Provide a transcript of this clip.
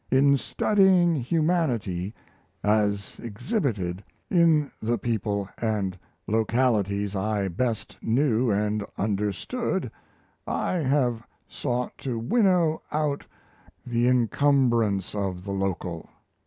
In studying humanity as exhibited in the people and localities I best knew and understood, I have sought to winnow out the encumbrance of the local."